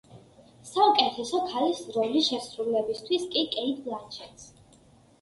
საუკეთესო ქალის როლის შესრულებისთვის კი – კეიტ ბლანშეტს.